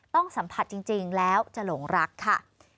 ต้องสัมผัสจริงแล้วจะหลงรักค่ะ